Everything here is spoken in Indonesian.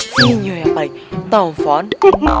si nyu yang paling tau font